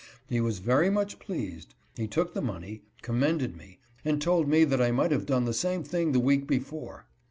He was very much pleased ; he took the money, commended me and told me that I might have done the same thing the week before.